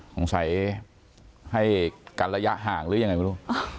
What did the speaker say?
สงสัยให้กันระยะห่างหรือยังไงไม่รู้